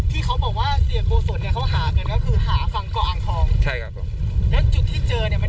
ที่เขาบอกว่าเสียโกศลเนี่ยเขาหากันก็คือหาฝั่งเกาะอ่างทองใช่ครับผมแล้วจุดที่เจอเนี่ยมัน